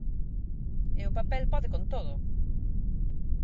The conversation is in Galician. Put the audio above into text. E o papel pode con todo.